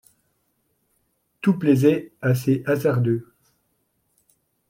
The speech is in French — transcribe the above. Tout plaisait à ces hasardeux ;